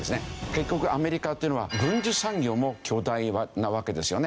結局アメリカっていうのは軍需産業も巨大なわけですよね。